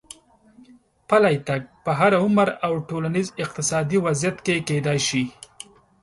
پلی تګ په هر عمر او ټولنیز اقتصادي وضعیت کې کېدای شي.